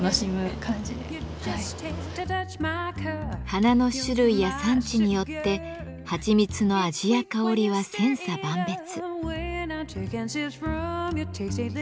花の種類や産地によってはちみつの味や香りは千差万別。